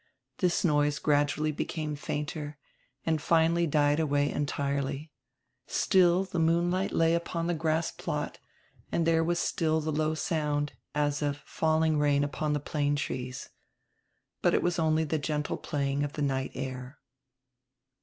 This noise gradually became fainter and finally died away entirely — Still die moonlight lay upon die grass plot and diere was still die low sound, as of falling rain upon die plane trees. But it was only die gentle playing of the night air.